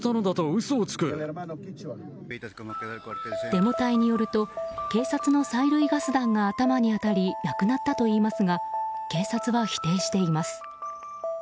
デモ隊によると警察の催涙ガス弾が頭に当たり亡くなったといいますが警察は否定しています。